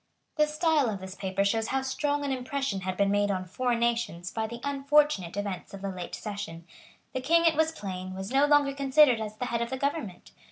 The style of this paper shows how strong an impression had been made on foreign nations by the unfortunate events of the late session. The King, it was plain, was no longer considered as the head of the government.